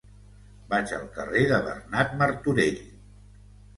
Vaig al carrer de Bernat Martorell.